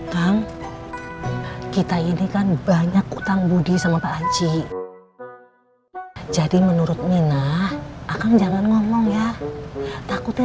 kang kita ini kan banyak hutang budi sama pak haji jadi menurut mina akang jangan ngomong ya takutnya